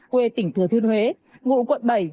quê tỉnh thừa thuyên huế ngụ quận bảy